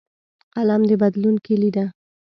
قلم د بدلون کلۍ ده